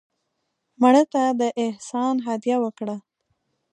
مړه ته د احسان هدیه وکړه